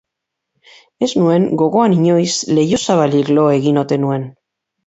Ez nuen gogoan inoiz leiho-zabalik lo egin ote nuen.